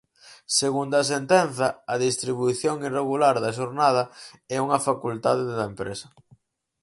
Segundo a sentenza, a distribución irregular da xornada é unha facultade da empresa.